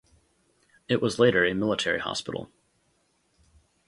It was later a military hospital.